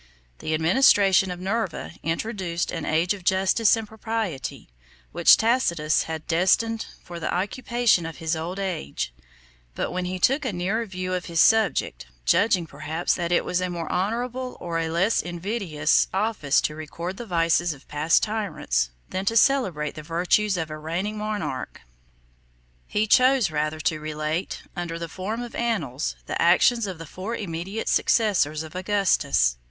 The administration of Nerva introduced an age of justice and propriety, which Tacitus had destined for the occupation of his old age; 38 but when he took a nearer view of his subject, judging, perhaps, that it was a more honorable or a less invidious office to record the vices of past tyrants, than to celebrate the virtues of a reigning monarch, he chose rather to relate, under the form of annals, the actions of the four immediate successors of Augustus.